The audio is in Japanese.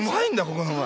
ここのが。